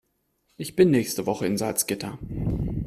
Ich bin nächste Woche in Salzgitter